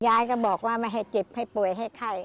ยายก็บอกว่าไม่ให้เจ็บให้ป่วยให้ไข้